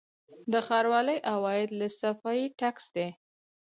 د ښاروالۍ عواید له صفايي ټکس دي